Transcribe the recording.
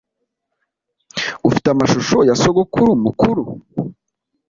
Ufite amashusho ya sogokuru mukuru